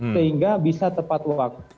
sehingga bisa tepat waktu